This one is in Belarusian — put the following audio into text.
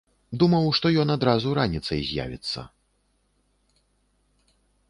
Думаў, што ён адразу раніцай з'явіцца.